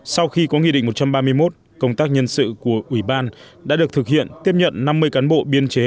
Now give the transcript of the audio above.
sau khi có nghị định một trăm ba mươi một công tác nhân sự của ủy ban đã được thực hiện tiếp nhận năm mươi cán bộ biên chế